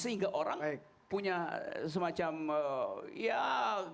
sehingga orang punya semacam ya